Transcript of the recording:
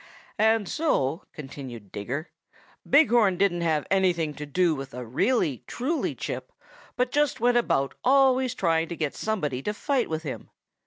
"And so," continued Digger, "Big Horn didn't have anything to do with a really, truly chip, but just went about always trying to get somebody to fight with him.